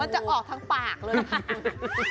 มันจะออกทั้งปากเลย